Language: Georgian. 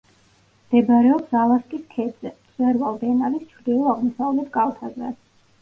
მდებარეობს ალასკის ქედზე, მწვერვალ დენალის ჩრდილო-აღმოსავლეთ კალთაზე.